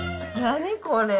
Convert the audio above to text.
何これ。